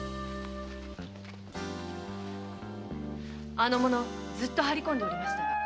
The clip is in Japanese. あの者ずっと張り込んでおりました。